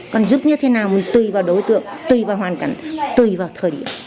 còn giúp như thế nào mình tùy vào đối tượng tùy vào hoàn cảnh tùy vào thời điểm